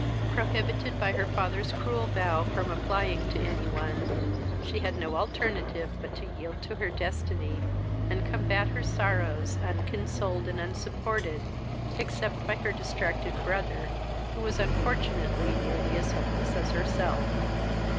Prohibited by her father's cruel vow from applying to any one, she had no alternative but to yield to her destiny, and combat her sorrows, unconsoled and unsupported, except by her distracted brother, who was unfortunately nearly as hopeless as herself.